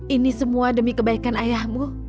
ini semua demi kebaikan ayahmu